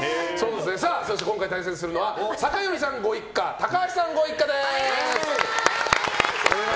そして今回対戦するのは酒寄さんご一家と高橋さんご一家です。